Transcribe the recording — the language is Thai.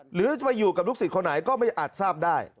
หรือจะไปอยู่กับลูกศิษย์คนไหนก็ไม่อาจทราบได้